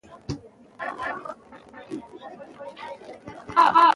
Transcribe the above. د اوبو سپما د ملي امنیت برخه هم ګڼل کېږي.